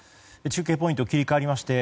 中継ポイント切り替わりまして